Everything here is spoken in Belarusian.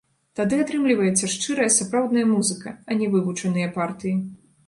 Тады атрымліваецца шчырая сапраўдная музыка, а не вывучаныя партыі.